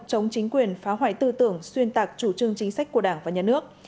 chống chính quyền phá hoại tư tưởng xuyên tạc chủ trương chính sách của đảng và nhà nước